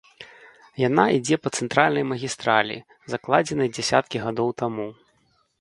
Яна ідзе па цэнтральнай магістралі, закладзенай дзясяткі гадоў таму.